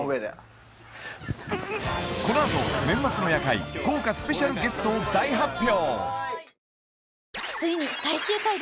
このあと年末の夜会豪華スペシャルゲストを大発表